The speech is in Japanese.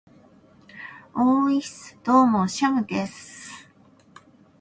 ｵｨｨｨｨｨｨｯｽ!どうもー、シャムでーす。